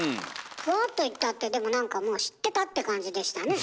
ふわっと言ったってでもなんかもう知ってたって感じでしたね。